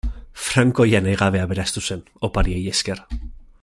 Franco ia nahi gabe aberastu zen, opariei esker.